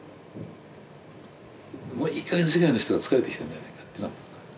もういいかげん世界の人が疲れてきてるんじゃないかっていうのは。